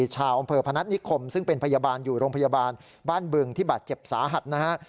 ชาวอำเภอพนัฐนิคมซึ่งเป็นพยาบาลอยู่โรงพยาบาลบ้านบึงที่บาดเจ็บสาหัสนะฮะ